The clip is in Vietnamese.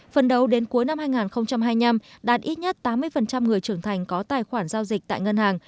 phần đầu đến cuối năm hai nghìn hai mươi năm đạt ít nhất tám mươi người trưởng thành có tài khoản giao dịch tại ngân hàng